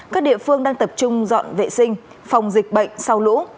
các địa phương đang tập trung dọn vệ sinh phòng dịch bệnh sau lũ